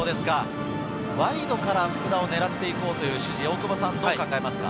ワイドから福田を狙っていこうという指示、どう考えますか？